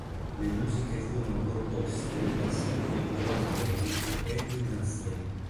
Le musiche furono composte da Sydney John Kay e Edwin Astley.